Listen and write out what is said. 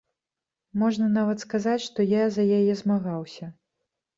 Можна нават сказаць, што я за яе змагаўся.